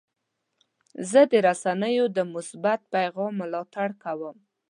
زه د رسنیو د مثبت پیغام ملاتړ کوم.